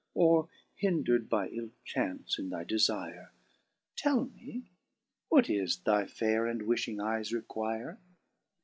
Or hindred by ill chance in thy defire ? Tell me, what ifl: thy faire and wifhing eyes require